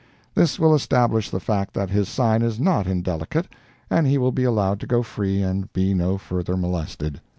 This will establish the fact that his sign is not indelicate, and he will be allowed to go free and be no further molested.